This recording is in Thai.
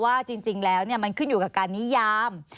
ว่าจริงแล้วมันขึ้นอยู่กับการนิยาม